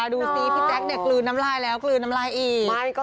ดูสิพี่แจ๊คกลืนน้ำลายแล้วกลืนน้ำลายอีก